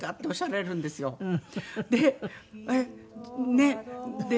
ねっ。